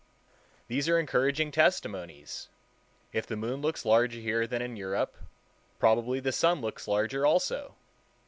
These are encouraging testimonies. If the moon looks larger here than in Europe, probably the sun looks larger also.